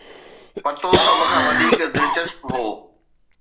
پتو سڀ کان وڌيڪ دلچسپ هو.